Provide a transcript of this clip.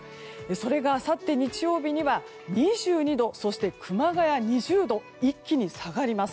それがあさって日曜日には２２度そして熊谷２０度一気に下がります。